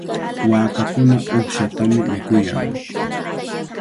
Waakakuna uqshatami mikuyan.